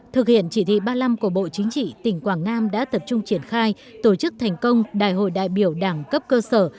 thực hiện chỉ thị ba mươi năm của bộ chính trị tỉnh quảng nam đã tập trung triển khai tổ chức thành công đại hội đại biểu đảng cấp cơ sở